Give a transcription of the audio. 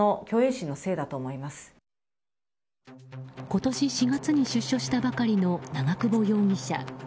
今年４月に出所したばかりの長久保容疑者。